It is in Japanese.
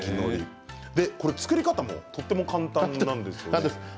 作り方もとても簡単なんですよね。